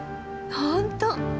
本当！